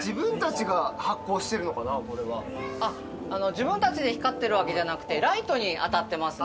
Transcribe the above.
自分たちで光ってるわけじゃなくてライトに当たってますね。